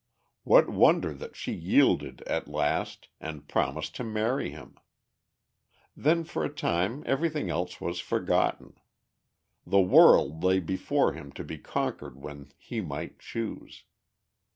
What wonder that she yielded at last and promised to marry him? Then for a time everything else was forgotten. The world lay before him to be conquered when he might choose.